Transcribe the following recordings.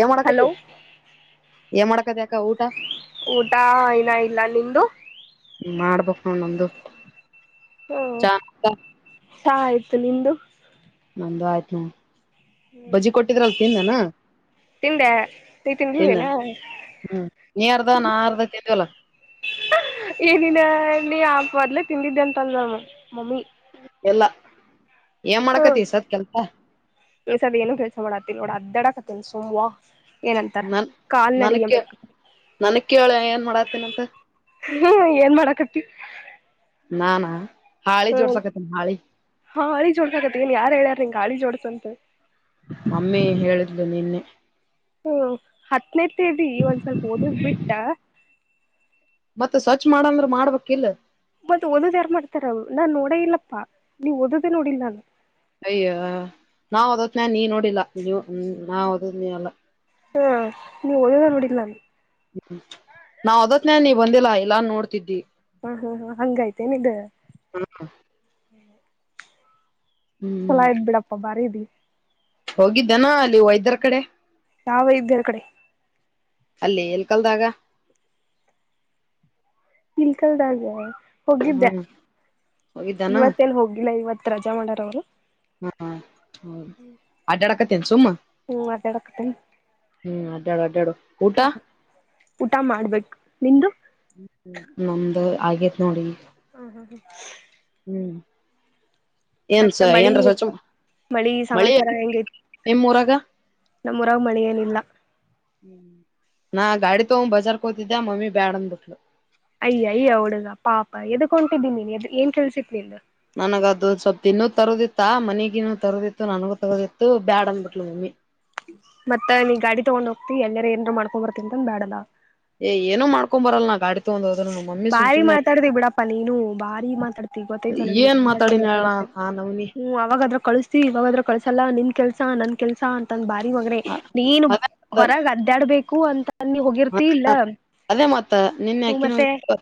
ಏ ಹಲೋ ಮಾಡಕತಿ ಏ ಮಾಡಕತಿಯಕ್ಕ ಊಟ ಊಟ ಇನ್ನ ಇಲ್ಲ ನಿಮ್ದು ಮಾಡ್ಬೇಕಕ್ ನಂದು [unintelligible] ಆಯಿತು ನಿದು ನಂದು ಆಯ್ತು ನ ಬಜಿ ಕೊಟ್ಟಿದ್ರಲ್ ತಿಂದನಾ ತಿಂದೆ ನೀ ತಿಂದಿದ್ದೇನ ಹ್ಮ್ ನೀರ್ಧ ನಾ ಅರ್ಧ ತಿಿಂದವಲ್ಲ ಏ ದಿನ ನೀ ಆಪ್ ಬರ್ಲೆ ತಿಂದಿದ್ದೆ ಅಂತ ಅಂದವ ಮಮ್ಮಿ ಎಲ್ಲಾ ಏನ್ ಹ್ಮ್ ಮಾಡಕತಿ ಸತ್ ಕೆಲ್ಸ ಈ ಸಲ ಏನು ಕೆಲಸ ಮಾಡಲ್ ನೋಡು ಸುಮ್ನೆ ಅಡ್ಡಾಡ್ಕತಿನಿ ಸುಮ್ನೆ ವಾಕ್ ನನ್ ನನ ಕ ನನ ಕೇಳಿ ಏನ್ ಮಾಡತೀನಂತ ಹ್ಮ್ ಏನ್ ಮಾಡಕತಿ ಹಾ ಹಾ ಹ್ಮ್ ಹಾಳಿ ಜೋಡ್ಸ ಆಕತ್ತ ನ್ ಯಾರ ಹೇಳ್ಯಾರ ನಿಂಗ ಗಾಳಿ ಜೋಡ್ಸಂತ ಮಮ್ಮಿ ಹೇಳಿದ್ಲು ನಿನ್ನೆ ಹ್ಮ ಅಟ್ಲೀಸ್ಟ್ ಇದೀ ಒಂದ್ ಸ್ವಲ್ಪ ಓದದ್ ಬಿಟ್ಟ ಮತ್ತೆ ಸ್ವಚ್ ಮಾಡಂದ್ರ ಮಾಡ್ಬೇಕಕಲ್ಲ ಮತ್ತತ್ ಓದ್ ಯಾರ್ ಮಾಡ್ತಾರ ನಾನ್ ನೋಡ ಇಲ್ಲಪ್ಪಾ ನೀವುಓದದೇ ನೋಡಿಲ್ ನಾನು ಅಯ್ಯ ನಾವ್ ಹೋದತ್ನ ನೀ ನೋಡಿಲ್ಲಾ ನೀವು ನಾ ಓದದ್ ನೀ ಎಲ್ಲ ಹ್ಮ ನೀ ಓದದೇ ನೋಡಿಲ್ಲ ನಾನು ಹ್ಮ ನಾವ್ ಓದತ್ನೇ ನೀ ಬಂದಿಲ್ಲಾ ಇಲ್ಲಾ ನೋಡ್ತಿದಿ ಹಾ ಹಾ ಹಾ ಹಂಗೈತೆೇನದು ಚಲ ಐತೆ ಬಿಡಪ್ಪ ಭಾರಿ ಇದಿ ಹೋಗಿದ್ದನಾ ಅಲ್ಲಿ ವೈದ್ಯರ ಕಡೆ ಯಾವ ವೈದ್ಯರ ಕಡೆ ಅಲ್ಲಿ ಏಲ್ ಕಲ್ದಾಗ ಇಲ್ಕಲ್ದಗ ಹೋಗಿದ್ದೆ ಹೋಗಿದ್ದಾನ ಇವತ್ತೇನ್ ಹೋಗಿಲ್ಲ ಇವತ್ ರಜಾ ಮಾಡಾರ ಅವ್ರು ಹಾ ಹೌ ಅಡ್ ಅಡಕ ತನ್ಸುಮ್ಮ ಹ್ಮ್ ಮಾತಾಡಕತ್ತೇನಿ ಹ್ಮ್ ಅದಾಡ ಅಡ್ಡು ಊಟಾ ಊಟ ಮಾಡ್ಬೇಕು ನಿಂದು ನಮ್ದ ಆಗದ ನೋಡಿ ಹ್ಮ ಹಾ ಹ್ಮ ಹ್ಮ್ ಏನ್ ಸ ಮತ್ತ ಮಳಿ ಏನ್ರ ಸ್ವಚ್ ಮಳಿ ಸಮಾಚಾರ ಹೆಂಗೈತಿ ನಿಮ್ ಊರಾಗ ನಮ್ಮ್ ರಾಗ ಮಳೆ ಏನಿಲ್ಲ ನಾ ಗಾಡಿ ತಗೊಂಡ್ ಬಜಾರ್ಕ್ ಹೋತಿದ್ದ್ ಮಮ್ಮಿ ಬ್ಯಾಡ ಅನ್ಬಿಟ್ಲು ಅಯ್ಯ ಅಯ್ಯ ಹುಡುಗ ಪಾಪ ಎದಕ ಹೊಂಟಿದ್ದೀನಿನ್ದ ಏನ್ ಕೆಲ್ಸಿತ್ ನಿದ ನನಗ ಅದು ಸ್ವಲ್ ಇನ್ನುೂ ತರೋದಿತ್ತ ಮನಿಗಿನ್ನುೂ ತರೋದಿತ್ತು ನನಗೂ ತರೋದಿತ್ತು ಬ್ಯಾಡ ಅಂದಬಿಟ್ಲು ಮಮ್ಮಿ ಮತ್ತ ನೀ ಗಾಡಿ ತೊಗೊಂಡ್ ಹೋಗ್ತಿ ಎಲ್ಲಾರ ಏನ್ರ ಮಾಡ್ಕೊಂಡ ಬರ್ತ ಅಂದ ಬೇಡಲ್ಲ ಏ ಏನು ಮಾಡ್ಕೊ ಬರಲ್ಲ ನಾ ಗಾಡ ಬಾರಿ ಮಾತಾಡ್ತಿ ಬಿಡಪ್ಪ ನೀನು ಭಾರಿ ಮಾತಾಡ್ತಿ ಗೊತ್ತತ ನನ್ಗೆ ಎಂತ ಚಂದ ಮಾತಾಡ್ತ ಹಾ ನೌನ ಕಳಿಸ್ತತಿ ಇವಾಗಾದ್ರ ಕಳಸಲ್ಲಾ ನಿನ್ ಕೆಲ್ಸ ನನ್ ಕೆಲ್ಸ ಅಂತ ದ ಬಾರಿ ಮಗ್ರ ನೀನು ಅದೇ ಹೊರಗ ಅದ್ದಾಡ್ಬೇಕು ಅಂತ ಅನ್ನಿ ಹೋಗಿರ್ತ ಇಲ್ಲ ಅದೇ ಮತ್ತ ನಿನ್ನೆ ಅಕ್ಕಿನ ಮತ್ತೆ ಹೋಗಿದ್ಲು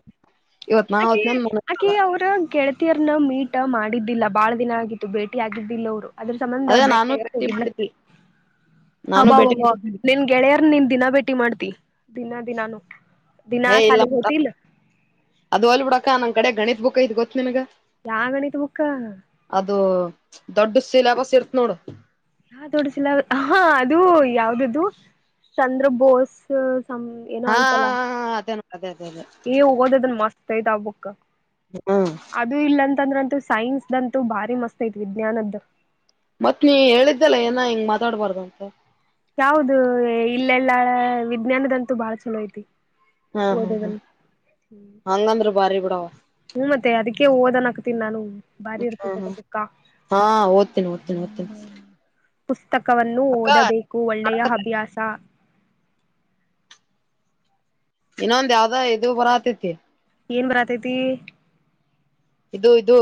ಇವತ್ ನಾ ಆಕೆ ಹೊತ್ನಂದ ಆಕಿ ಮನಲ್ಲ ಅವ್ರ ಗೆಳತಿಯರ್ನ ಮೀಟ್ ಮಾಡಿದ್ದಿಲ್ಲ ಬಹಳ ದಿನ ಆಗಿತ್ತು ಭೇಟಿ ಆಗಿದ್ದಿಲ್ಲ ಅವರು ಅದ್ರ ಸಂಬಂಧ ಅದೇ ನಾನು ಭೇಟಿ ಮಾಡಿದ್ದೆ ಬೇಟೆಗೋಗಲಕ್ಕಿ ನಾನು ಭೇಟಿ ಅಬಬ ಮಾಡಿದ್ದೆ ನಿನ್ ಗೆಳೆಯರ್ ನಿ ದಿನ ಭೇಟಿ ಮಾಡ್ತಿ ದಿನ ದಿನಾನು ದಿನಾ ಏ ಇಲ್ಲ ಸಾಲಿಗ್ ಹೋತಿಲ್ ಅದು ಹೊಲ್ ಬಿಡಕ್ಕ ನನ್ ಕಡೆ ಗಣಿತ್ ಬುಕ್ ಇದ್ ಗೊತ್ತ ನನ್ಗ ಯಾಗಣಿತ ಮುಕ್ಕ ದೊಡ್ಡ ಸಿಲಬಸ್ ಇರ್ತ್ ನೋಡು ಹಾ ದೊಡ್ಡಸಿಲ್ಲ ಹ ಅದು ಯಾವ್ದಚಂದ್ರ ಬೋಸ್ ಸಂ ಏನೋ ಹಾ ಐತಲ್ಲಾ ಹಾ ಅದೇ ಅದೇ ಅದೇ ಏ ಹೋಗೋದ ಅದನ್ ಮಸ್ತೈತ್ ಅವಬಕ್ ಹ್ಮ್ ಅದು ಇಲ್ಲ ಅಂತಂದ್ರ ಅಂತ ಸೈನ್ಸ್ತೂ ಭಾರಿ ಮಸ್ತ್ ಐತ್ ವಿಜ್ಞಾನದ್ದು ಮತ್ ನೀ ಹೇಳಿದ್ದಲ್ಲ ಏನ ಹಿಂಗ್ ಮಾತಾಡ್ಬಾರ್ದ ಅಂತ ಯಾದು ಇಲ್ಲೆಲ್ಲ ವಿಜ್ಞಾನದಂತೂ ಬಾಳ ಚಲೋ ಐತಿ ಹ್ಮ ಹ್ಮ್ ಹ್ಮ್ ಓದೋದನ್ನು ಹಂಗಂದ್ರ ಬಾರಿ ಬಿೂಡ ಹ್ಮ್ ಮತ್ತೆ ಅದಕ್ಕೆೇ ಓದನ್ ಹಾಕ್ತೀನಿ ನಾನು ಬಾರಿ ಹ್ಮ ಇರ್ತೈತೆ ಹ್ಮ ಬುಕ್ಕ ಹಾ ಓದ್ತೀನಿ ಓದ್ತೀನಿ ಓದ್ತೀನಿ ಪುಸ್ತಕವನ್ನು ಅಕ್ಕ ಓದಬೇಕು ಒಳ್ಳೆಯ ಅಭ್ಯಾಸ ಇನ್ನೊಂದ ಯಾವ್ದ ಇದು ಬರ ಆತೈತಿ ಏನ್ ಬರತೈತಿ ಇದು ಇದು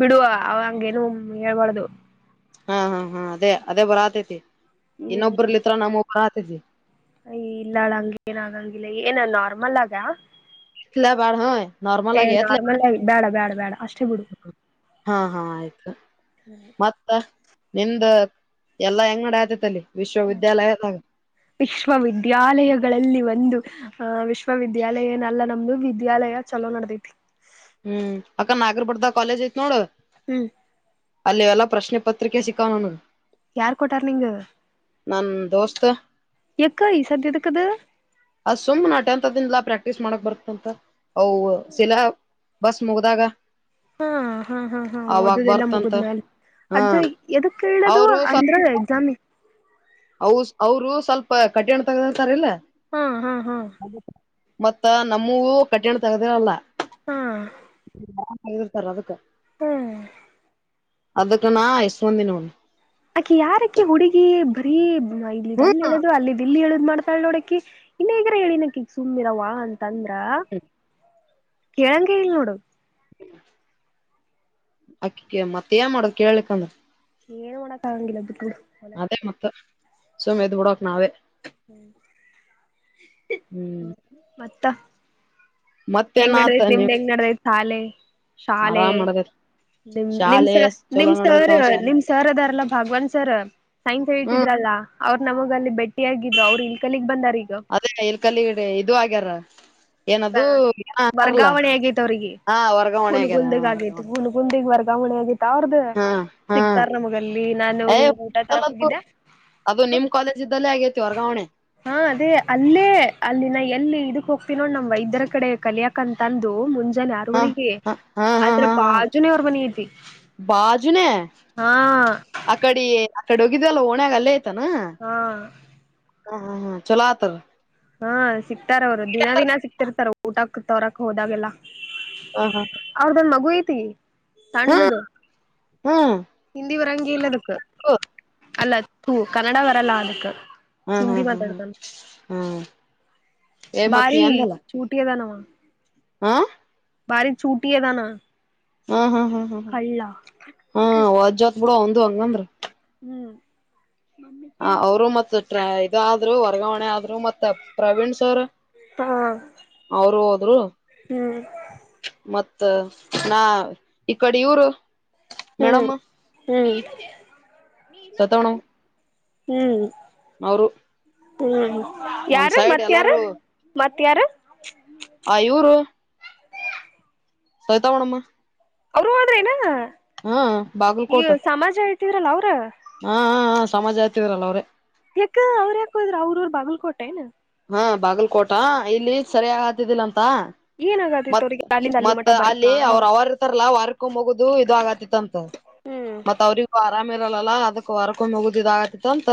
ಬಿಡುವ ಅವ ಹಂಗೇನು ಹೇಳ್ಬಾರ್ದು ಹಾ ಹಾ ಹಾ ಅದೇ ಅದೇ ಬರ ಆತೈತಿ ಇನ್ನೊಬ್ಬರ್ಲಿತ್ರ ನಮ್ಮ ಒಬ್ಬರ ಆತೈತಿ ಅಯ ಇಲ್ಲಾಳ ಹಂಗ ಏನ ಆಗಂಗಿಲ್ಲ ಏನ ನಾರ್ಮಲ್ ಆಗ ಇಲ ಬಾರ ಹ ನಾರ್ಮಲ್ ಆಗಿ ಎತ್ಲ ನಾರ್ಮಲ್ ಆಗಿ ಬೇಡ ಬೇಡ ಬೇಡ ಅಷ್ಟೇ ಬಿಡು ಹಾ ಹಾ ಆಯ್ತು ಮತ್ತ ನಿಮ್ದ ಎಲ್ಲಾ ಹೆಂಗಡಿ ಆತೇತಲ್ಲಿ ವಿಶ್ವವಿದ್ಯಾಲಯಗಳಲ್ಲಿ ಒಂದು ಆಹ ವಿಶ್ವವಿದ್ಯಾಲಯ ಏನಲ್ಲ ನಮ್ದು ವಿದ್ಯಾಲಯ ಚಲೋ ನಡದೈತಿ ಹ್ಮ್ ಅಕ್ಕ ನಾಗರ ಬರ್ದ ಕಾಲೇಜ್ ಐತ್ ನೋಡ್ ಹ್ಮ್ ಅಲ್ಲಿ ಎಲ್ಲಾ ಪ್ರಶ್ನೆ ಪತ್ರಿಕೆ ಸಿಕ್ಕಣನು ಯಾರ್ ಕೊಟಾರ್ ನಿಂಗ ನನ್ ದೋಸ್ತ್ ಯಕ್ಕ ಈ ಸದ್ಯ ಎದಕ್ಕದ ಅ ಸುಮ್ ನಾ ಟೆಂತ್ ದಿಂದಲ ಪ್ರಕ್ ಕ್ಟೀ ಮಾಡಕ್ ಬರ್ತಂತ ಅ ಶಿಲಾ ಬಸ್ ಮುಗ್ದಾಗ ಹಾ ಹಾ ಹಾ ಹಾ ಅವಾಗ ಓದದೆಲ್ಲ ಬರ್ತಂತ ಮುಗಿದ್್ಮ್ಯಾಲ ಹಾ ಅದದಕ್ ಕೇಳದು ಅವರು ಸ್ವಲ್ಪ ಅಂದ್ರ ಎಕ್ಸಾಮಿ ಅವರು ಸ್ವಲ್ಪ ಕಠಿಣ ತಗತಾರಲ್ಲ ಹ್ಮ ಹಾ್ ಹಾ ಮತ್ತ ನಮ್ಮೂ ಕಠಿಣ ತಗ್ದರಲ್ಲಿರ್ತಾರ ಹಾ ಅದಕ್ ಹ್ಮ್ ಅದಕ್ಕ ನಾ ಇಸ್ವಂದಿನವನು ಅಕಿ ಯಾರಕಿ ಹುಡುಗಿ ಬರೀ ಇಲ್ಲಿ ಅಲ್ಲಿ ಎ ಹ್ಮ್ ಹೇಳದುರು ಅಲ್ಲಿ ಇಲ್ಲಿ ಎುದು ಇ ಮಾಡ್ತಾಳ ನೋಡಕಿ ಇನ್ನ ಈಗ್ರ ಹೇಳಿನಕಿಗ ಸುಮ್ಮಿರ ವ ಅಂತಂದ್ರ ಕೇಳಂ ಕಲ್ಲ ನೋಡು ಹ ಅಕ್ಕಕ್ಕೆ ಮತ್ತೆ ಏನ್ ಮಾಡದ ಕೇಳ್ಲಿಕ್ಕಂದ್ರ ಏನ್ ಮಾಡಕ್ ಆಗಂಗಿಲ್ಲ ಬಿಟ್ಟರು ಅದೇ ಮತ್ತ ಸುಮ ಇದದು್ ಬಿಡಕ್ ನಾವೇ ಹ್ಮ ಹ್ಮ್ ಮತ್ತ ಮತ್ತೇನ್ ಹೆಂಗ್ ಆತ ನಡದೈತ್ ನಿಮ್ದ್ ನೀವ್ ಹೆಂಗ್ ನಡದೈತ್ ಶಾಲೆ ಆರಾಮ್ ಮಾಡದೇ ನಿಮ ನಿಮ್ ಸ ನಿಮ್ ಸರ್ ಶಾಲೆ ನಿಮ್ ಸರ್ ಅದಾರಲ್ಲ ಭಾಗವಾನ್ ಸರ್ ಸೈನ್ಸ್ ಹ್ಮ್ ಹೇಳ್ತಿದ್ರಲ್ಲಾ ಅವ್ರ ನಮಗ ಅಲ್ಲಿ ಭಟ್ಟಿಿಯಾಗಿದ್ರು ಅವ್ರು ಇಲ್ ಕಲಿಗ್ ಬಂದ ಅದೇ ಇಲ್ ಕಲ್ಲಿಗಡೆ ಇದು ಆಗ್ಯಾರ ಏನದು ಆಲ್ಲ ವರ್ಗಾವಣೆ ಆಗೈತ್ ಅವ್ರಿಗೆ ಹಾ ವರ್ಗಾವಣೆ ಆಗ್ಯಾರ ಹಾ ವರ್ಗಾವಣೆ ಗ ಮಣಿ ಆಗತ ಅವ್ರ್ದ ಹಾ ಹಾ ಸಿಕ್ತಾರ ನಮಗಲ್ಲಿ ನಾನು ಏ ಹಿಂಗ ಊಟಾ ತರಕ್ ಅದು ಹೋಗಿದ್ದೆ ಅದು ನಿಮ್ ಕಾಲೇಜ್ ಇದ್ದಲ್ಲೇ ಆಗೇತಿ ವರ್ಗಾವಣೆ ಹಾ ಅದೇ ಅಲ್ಲೇ ಅಲ್ಲಿನ ಎಲ್ಲಿ ಇದಕ್ ಹೋಗ್ತ ನೋ ನಮ್ ವೈದ್ಯರ ಕಡೆ ಕಲಿಯಕ್ಂತ ಅಂದು ಮುಂೆ ಜನ್ ಹಾ ಯರವರೆಗೆ ಹ ಹಾ ಹಾ ಅದ್ರ ಹಾ ಹಾ ಬಾಜುನೇ ಅವ್ರ ಮನಿ ಐತಿ ಬಾಜುನೇ ಹಾ ಅಕಡಿ ಅಕಡೆ ಹೋಗಿದಲ್ಲ ಓಣ್ಯಾಗ ಅಲ್ಲೇ ಐ್ತಾನ ಹಾ ಹಾ ಹಾ ಹಾ ಚಲತ ಹಾ ಸಿಕ್ತಾರ ಅವ್ರು ದಿನ ದಿನ ಸಿಕ್ತಿರ್ತಾರ ಊಟಕ್ ತೋರಕ್ ಹೋದಾಗೆಲ್ಲ ಹ ಹ ಅವ್ರ್ದನ್ ಮಗು ಐತಿ ತಣ್ಣದು ಹ್ಮ್ ಹ್ಮ್ ಹಿಂದಿ ವಿರಂಗಲ್ಲದಕ್ಕ ಹಾ ಅಲ್ಲ ಹ ಕನ್ನಡ ವರಲ್ಲಾ ಅದಕ್ಕೆ ಹ್ಮ್ ಹ್ಮ್ ಹ್ಮ್ ಹ್ಮ್ ಹ್ಮ್ ಏ ಮತ್ ನೀ ಬಾರಿ ಅಂದಲ್ಲ ಚೂಟಿ ಅದಾನವ ಹಾ ಬಾರಿ ಛೂಟ ದಾನ ಹ್ಮ್ ಹ್ಮ್ ಹ್ಮ್ ಹ್ಮ ಹ್ ಹ ವಜ್ಜೋತ್ ಬಿೂಡ ಒಂದು್ ಹಂಗಂದ್ರ ಹ್ಮ್ ಹ ಅವರು ಮತ್ತತ್ಟ್ರ ಇದಾದ್ರು ವರ್ಗಾವಣೆ ಆದ್ರು ಮತ್ತ ಪ್ರವೀಣ್ ಸರ್ ಹಾ ಅವರು ಹೋದರು ಹ್ಮ್ ಮತ್ತ ನಾ ಇ ಕಡೆ ಇವರು ಹ್ಮ್ ಹ್ಮ್ ಸತವಣ ಹ್ಮ್ ಅವರು ಹ್ಮ್ ಒಂದ್ ಯಾರ ಸೈಡ್ ಮತ್ತ ಯಾರ ಎಲ್ಲಾರೂ ಮತ್ತ ಯಾರ ಆ ಇವರು ಸಯತಾವಣಮ್ಮ ಅವರು ಆದ್ರ ನಾ ಹಾ ಬಾಗಲ್ಕೋಟ್ ಅವ್ರ ಹಾ ಸಮಾಜ ಆತವರಲ್ಲ ಅವ್ರೆ ಯಾಕ ಅವ್ರ ಯಕೋದ್ರರು ಅವ್ರ ಅವರು ಬಾಗಲ್ಕೋಟೆ ಏ ಹಾ ಬಾಗಲ್ಕೋಟಾ ಇಲ್ಲಿ ಸರಿಯಾಗಿ ಹತಿದ್ದಿಲ್ಲ ಮ ಏನಾಗತಿತ್ತು ಅವ್ರಿಗೆ ಅಲ್ಲಿಂದ ಅಲ್ಲಿ ಮತ್ ಮಠ ಬರಕ ಅಲ್ಲಿ ಅವರು ಅವರು ಇರ್ತಾರಲ್ಲ ಅವ ಕೊ್ಗುದು ಇದದು ಆಾಗತಿತ್ತ ಅಂತ ಹ್ಮ್ ಮತ್ ಅವ್ರಗ ಆರಾಮ್ ಇರಲ್ಲಾ ಅದಕ್ ಹೊರಕೊ ಮುಗುದಿದ ಆತಿತ್ತ ಅಂತ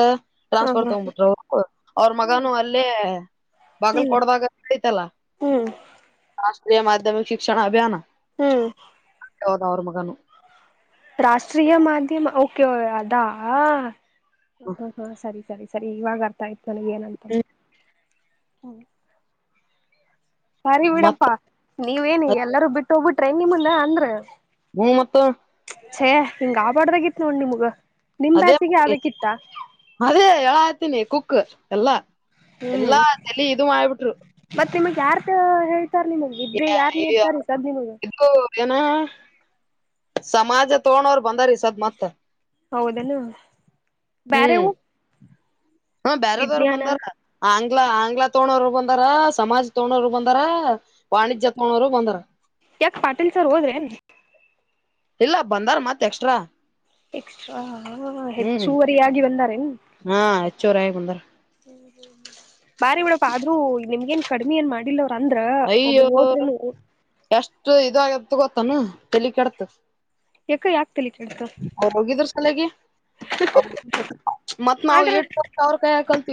ಹ ಟ್ರಾನ್ಸ್ಫರ್ ಹ್ಮ್ ತಗ್ಬಿಟ್ರರು ಅವ್ರ ಮಗನು ಅಲ್ಲಿ ಹ ಬಾಗಿಲ್ ಹ್ಮ್ ಕೊಡ್ದಾಗತಲ್ಲ ಹ್ಮ್ ರಾಷ್ಟ್ರೀಯ ಮಾಧ್ಯಮಿಕ ಶಿಕ್ಷಣ ಅಭಿಯಾನ ಹ್ಮ್ ಹೌದ ಅವರ ಮಗನುು ರಾಷ್ಟ್ರೀಯ ಮಾಧ್ಯಮ ಓಕೆ ಅದಾ ಹ ಹಾ ಸರಿ ಸರಿ ಸರಿ ಇವಾಗ ಅರ್ಥ ಆಯ್ತ ನನಗ ಏನಂತ ಸರಿ ಮತ್ ಬಿಡಪ್ಪಾ ನೀವೇನ ಎಲ್ಲರೂ ಬಿಟ್ಟ ಹೋಗ್ಬಿಟ್ರೆ ನಿಮಂದ ಅಂದ್ರ ಹ ಮತ್ತ ಛ ಹಿಂಗ ಆಬಾಡ್ದಗಿತ್ ನೋಡ್ ನಿಮಗ ಅದೇ ಅದೇ ಹೇಳ ಆ್ತೀನಿ ಕುಕ್ ಎಲ್ಲಾ ಹ್ಮ್ ಎಲ್ಲಾ ಚಲಿ ಇದು ಆಯಬಿಟ್ರು ಮತ್ ನಿಮಗ್ ಯಾರ್ ಹೇಳ್ತಾರ್ ನಿಮಗ್ ಇದ್ದೇ ಯಾರ್ ನೀಡ್ತಾರೀ ಸದ್ ನಿಮಗ್ ಇದು ಏನ ಸಮಾಜ ತೋೊಂಡೋರು ಬಂದಾರೀ ಸದ ಮತ್ತ ಹೌದನಾ ಬರೆವು ಹ್ಮ ಬೇಾರದವ್ರ ಬಂದಾರ ಂಗಾ ಆಂಗ್ಲ ತೋೊಂಡೋರು ಬಂದಾರ ಸಮಾಜ ತಗೊಂಡೋರು ಬಂದಾರ ವಾಣಿಜ್ಯ ತಗೊಂಡೋ್ರು ಬಂದಾರ ಯಾಕ ಪಾಟೀಲ್ ಸರ್ ಹೋದ್ರೇನ್ ಇಲ್ಲ ಬಂದಾರ ಮತ್ ಎಕ್ಸ್ಟ್ರಾ ಎಕ್ಸ್ಟ್ರಾ ಹ್ಮ್ ಹೆಚ್ಚುವರಿಯಾಗಿ ಬಂದಾರೆ ಚೋರ ಮುಂದರ ಬಾರಿ ಬಿಡಪ್ಪ ಆದ್ರೂ ನಿಮ್ಗ ನ್ ಕಡಿ್ಮಿ ಏನ್ ಮಾಡಿಲ್ಲವ ಅಯ್ಯೋ ಎಷ್ಟು ಇದಾಗತ್ ಗೊತ್ತಾನ ತಲಿ ಕೆಡತ ಯಕ ಯಾ ಅವ ಹೋಗಿದ್ರ ಸಲೆಗೆ ಮತ್ತ್ ಆದ್ರ ನಾವ ಟ್ ಅವ್ರ ಕೈ ಹಾಕಂತ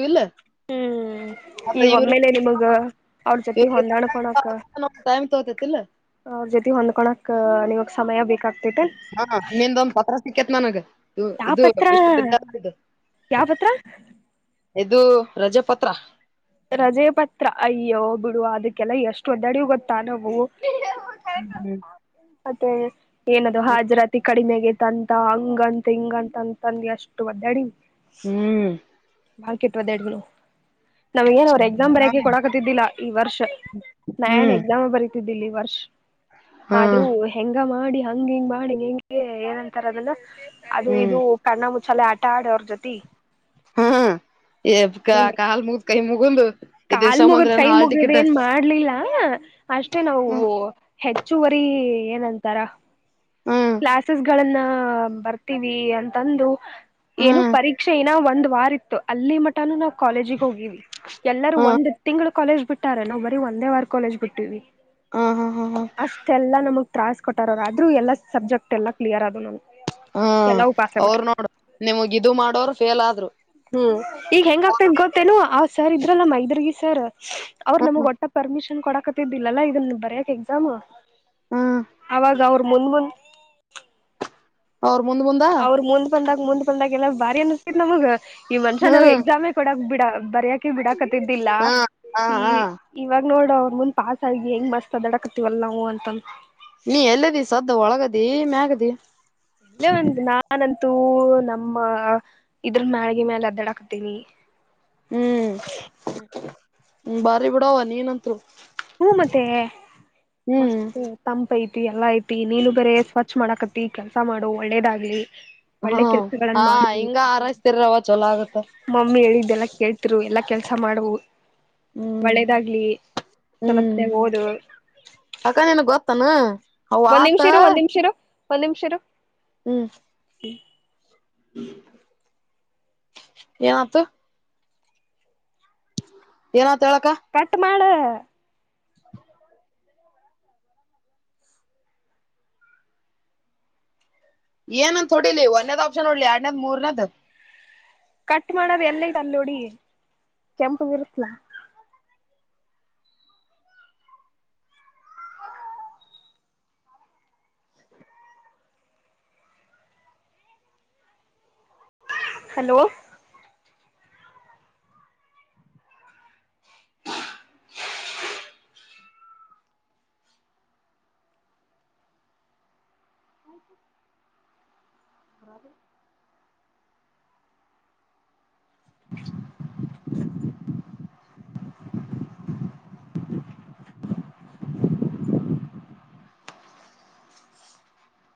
ಹ್ಮ್ ಈಗ ಯ ಒಮ್ಮೇಲೆ ನಿಮಗ ಅವ್ರ ಜೊತಿ ಯ ಹೊಂದಾಣಕೊಳಕ ಲ್ಲ ಅವ್ರ ಜೊತಿ ಹೊಂದ್ಕೊಳಕ್ ನಿಮಗ್ ಸಮಯ ಬೇಕಾಗ್ತೈತೆ ಹಾ ನಿಂದೊಂದ್ ಪತ್ರ ಸಿಕ್ಕೇತ್ ನನಗೆ ಇದು ಯಾವ ಇದು ಪತ್ರ ವಿಷ ಇದು ಯಾವ ಪತ್ರ ಇದು ರಜೆ ಪತ್ರ ರಜೆ ಪತ್ರ ಅಯ್ಯೋ ಬಿಡು ಅದಕ್ಕೆಲ್ಲ ಎಷ್ಟು ಒದ್ದಡಿ ಗೊತ್ತಾ ನಾವು ಹ್ಮ್ ಮತ್ತೆ ಏನದು ಹಾಜರಾತಿ ಕಡಿಮೆೆಗೆತ್ಂತ ಹಂಗಂತ ಹಿಂಗಂತ ಅಂತಂದ ಅಷ್ಟು ಒದ ಅಡಿ ಹ್ಮ್ ಹಾಕಿ ಇಟ್ಟ ಬಂದೆ ಅಡುಗೆ ಮನಿ ನಮ್ಗ ಏನ್ ಅವ್ರು ಎಕ್ಸಾಮ್ ಬರಯಕೆ ಕೊಡಕತಿದ್ದಿಲ್ಲ ಈ ವರ್ಷ ನಾ ಏನ್ ಹ್ಮ್ ಎಕ್ಸಾಮ್ ಬರೀತಿದ್ದಿಲ್ಲ ಈ ವರ್ಷ ಹ್ಮ್ ಅೂ ಹೆಂಗ ಮಾಡಿ ಹಂಗ ಹಿಂಗ್ ಮಾಡಿಂಗ ಹೆಂಗೆ ಏನಂತಾರ ಅದನ್ನ ಅದು ಹ್ಮ್ ಇದು ಕಣ್ಣ ಮುಚ್ಚಾಲೆ ಆಟ ಆಡೋ್ರ ಜೊತಿ ಹಾ ಎ ಆಮೇಲೆ ಕಾಲ್ ಮುಗ ಕೈ ಮುಗುಂದು ಇದ ಕಾಲ್ ಮುಗದ್ ಸಮಂದ್ರನ ಕೈ ಹಾಲ್ ಮುಗದ್ ಟಿಕೆಟ್ ಏನ್ ಮಾಡ್ಲಿಲ್ಲ ಅಷ್ಟೇ ನಾವು ಹೆಚ್ಚುವರಿ ಹ ನಂತರ ಕ್ಲಾಸಸ್ ಗಳನ್ನ ಬರ್ತೀವಿ ಅಂತಂದು ಏನು ಹ್ಮ್ ಪರೀಕ್ಷೆ ನ ಒಂದ ವಾರಿ ಇತ್ತು ಅಲ್ಲಿ ಮಠನೂ ನಾವು ಕಾಲೇಜಿಗೆ ಹೋಗಿವವಿ ಎಲ್ಲರೂ ಹ್ಮ ಒಂದ್ ತಿಂಗಳು ಕಾಲೇಜ್ ಬಿಟ್ಟಾರೆ ನಾವು ಬರೀ ಒಂದೇ ವರ್ ಕಾಲೇಜ್ ಬಿಟ್ಟಿವವಿ ಹ್ಮ ಹ್ಮ ಹ್ಮ ಅಷ್ಟೆಲ್ಲಾ ನಮಗ್ ತತ್ರಾಸಸ್ ಕೊಟ್ಟಾರ ಅವ ಆದ್ರೂ ಎಲ್ಲಾ ಸಬ್ಜೆಕ್ಟ್ ಎಲ್ಲ ಕ್ಲಿಯರ್ ಅದು ನನ್ಗೆ ಹಾ ಅವರು ನೋಡು ನಿಮಗ್ ಇದು ಮಾಡೋರು ಫೇಲ್ ಆದ್ರು ಹ್ಮ್ ಈಗ ಹೆಂಗ ಅಗೆತದಾ ಗೊತ್ತೇನು ಅವ್ ಸರ್ ಇದ್ರಲ್ಲಮ್ಮೈದ್ರಗ ಸರ್ ಅವರು ನಮಗ್ ಒಟ್ಟ ಪರ್ಮಿಷನ್ ಕೊಡಕತ್ತಿದ್ದಿಲ್ಲಲ್ಲಾ ಇದನ್ನು ಬರಯಕ್ ಎಕ್ಸಾಮ್ ಹ್ಮ್ ಅವಾಗ ಅವ್ರ ಮುಂದ ಮುಂದ ಅವ್ರ ಮುಂದ್ ಮುಂದ ಅವರ ಮುಂದ್ ಬಂದಾಗ ಮುಂದ್ ಬಂದಾಗ ಎಲ್ಲ ಬಾರಿ ಅನಿಸತತ್ ನಮಗ್ ಈ ಮನುಷ್ಯ ನಾವ್ ಹ್ಮ್ ಎಕ್ಸಾಮೆ ಕೊಡಕ್ ಬಿಡ ಬರಯಕೆ ಬಿಡಾಕತಿದ್ದಿಲ್ಲ ಹಾ ಹಾ ಈ ಹಾ ಇವಾಗ ನೋ ಅವ್ರ್ ಮುಂದ್ ಪಾಸ್ ಆಗಿ ಹೆಂಗ್ ಮಸ್ತ ಅಡಕತಿವಲ್ಲ ನಾವು ಅಂತಂದ ನೀ ಎಲ್ಲದಿ ಸದ್ದ ಒಳಗದಿ ಮ್ಯಾಗದಿ ಎಲ್ಲ ಒಂದು ನಾನಂತೂ ನಮ್ಮ ಇದ್ರ ಮ್ಯಾಳ್ಗೆ ಮ್ಯಾಲ ಅದ್ದಡಾಕ್ತೀವಿ ಹ್ಮ್ ಹ್ಮ ಬಾರಿ ಬಿಡಾವ ನೀನಂತರು ಹೂ ಮತ್ತೆ ಮಸ್ತ್ ತಂಪ ಐತಿ ತಿ ಎಲ್ಲಾ ಐತಿ ನೀನು ಬರೇ ಸ್ವಚ್ಛ ಮಾಡಕತಿ ಕೆಲ್ಸಾ ಮಾಡು ಒಳ್ಳೇದಾಗ್ಲಿ ಒಳ್ಳೆ ಹ್ಮ ಕೆಲ್ಸಗಳನ್ನ ಹಾ ಮಾಡು ಹಿಂಗ ಆರೈಸ್ತರವ ಚೋಲೋ ಆಗತ್ತ ಮಮ್ಮಿ ಹೇಳಿದ್ದ ಎಲ್ಲಾ ಕೇಳ್ತಿರು ಎಲ್ಲಾ ಕೆಲ್ಸ ಮಾಡುವ ಹ್ಮ್ ಒಳ್ಳೇದಾಗ್ಲಿ ಹ್ಮ್ ಚೊಲೊತಾನೆಗ ಓದು ಪ್ಪನ ಒಂದ್ ನಿಮಿಷ ಇರು ಒಂದ್ ನಿಮಿಷರು ಒಂದ್ ನಿಮಿಷರು ಹ್ಮ್ ಹಿ ಏನ ಅತ್ ಏನ್ ಅತ್ ಕಟ ಮಾಡ ಏನಂದ ಥೋಡಿಲಿ ಒಂದೇದ್ ಆಪ್ಷನ್ ಹೋಡ್ಲಿ ಎರಡ್ನೇದ್ ಮೂರನೇದ ಕಟ್ ಮಾಡದ ಎಲ್ಲ ಐತಿ ಅಲ್ಲಿ ಹೋಡಿ ಕೆಂಪಗರುತ್ತಲ ಹಲೋ ಹ್ರ